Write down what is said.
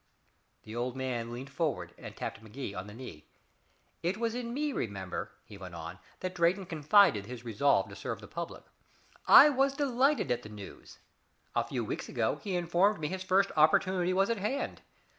The old man leaned forward, and tapped Magee on the knee. "It was in me, remember," he went on, "that Drayton confided his resolve to serve the public. I was delighted at the news. A few weeks ago he informed me his first opportunity was at hand.